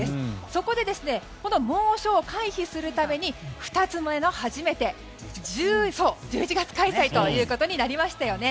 そこで、この猛暑を回避するために２つ目の初めて１１月開催となりましたよね。